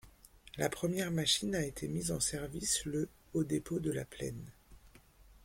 La première machine a été mise en service le au dépôt de La Plaine.